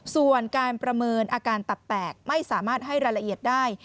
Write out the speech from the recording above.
ส่วนการประเมินอาการตับแตกไม่สามารถให้รายละเอียดได้